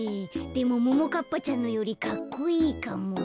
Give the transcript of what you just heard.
でもももかっぱちゃんのよりかっこいいかも。